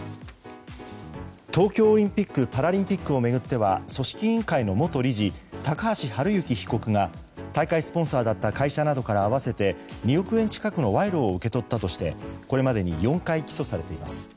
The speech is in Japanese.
東京オリンピック・パラリンピックを巡っては組織委員会の元理事高橋治之被告が大会スポンサーだった会社などから合わせて２億円近くの賄賂を受け取ったとしてこれまでに４回起訴されています。